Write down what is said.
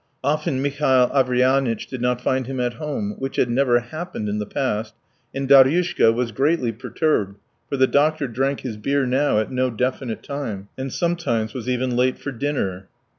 Often Mihail Averyanitch did not find him at home, which had never happened in the past, and Daryushka was greatly perturbed, for the doctor drank his beer now at no definite time, and sometimes was even late for dinner.